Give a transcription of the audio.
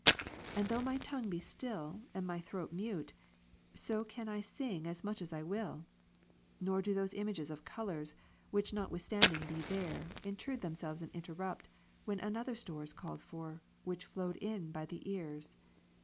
And though my tongue be still, and my throat mute, so can I sing as much as I will ; nor do those images of colours, which notwithstanding be there, intrude themselves and interrupt, when another store is called for, which flowed in by the ears.